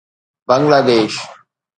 Bangla Desh